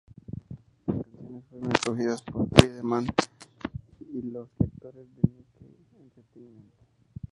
Las canciones fueron escogidas por Friedman y los lectores de "Nikkei Entertaiment!".